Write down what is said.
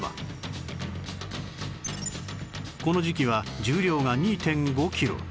この時期は重量が ２．５ キロ